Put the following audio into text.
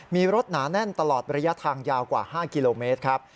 มีรถหนาแน่นตลอดระยะทางยาวกว่า๕กิโลเมตรครับ